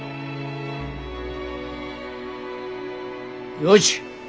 よし。